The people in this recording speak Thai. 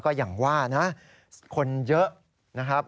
ก็อย่างว่านะคนเยอะนะครับ